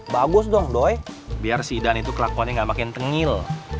bagus dong boy biar si idan itu kelakuan gak makin tengil